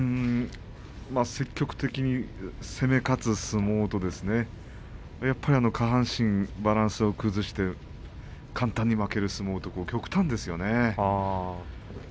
積極的に攻め勝つ相撲とやっぱり下半身バランスを崩して簡単に負ける相撲と極端ですよね。